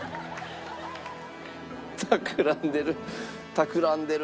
たくらんでる。